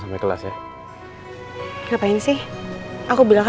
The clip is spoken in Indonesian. aku gak mau kau pergi ketemu bimo lagi